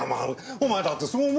お前だってそう思うだろ？